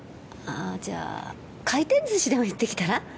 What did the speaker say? ああじゃあ回転寿司でも行ってきたら？